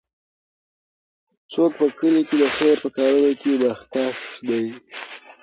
څوک په کلي کې د خیر په کارونو کې مخکښ دی؟